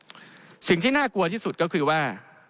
กระทบแบบเป็นลูกโซ่สิ่งที่น่ากลัวที่สุดก็คือว่า